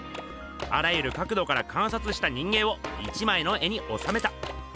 あらゆるかくどからかんさつした人間を１枚の絵におさめた！